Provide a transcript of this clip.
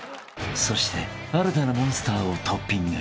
［そして新たなモンスターをトッピング］